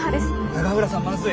永浦さんまずい。